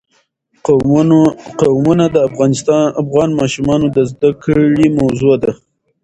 قومونه د افغان ماشومانو د زده کړې موضوع ده.